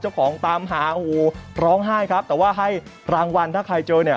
ตามหาโอ้โหร้องไห้ครับแต่ว่าให้รางวัลถ้าใครเจอเนี่ย